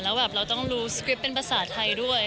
แล้วแบบเราต้องรู้สคริปต์เป็นภาษาไทยด้วย